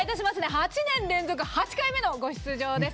８年連続８回目のご出場です。